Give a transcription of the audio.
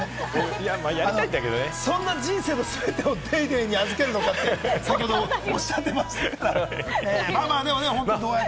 そんな人生の全てを『ＤａｙＤａｙ．』に預けるのかっておっしゃってましたよね。